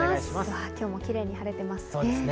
今日もキレイに晴れてますね。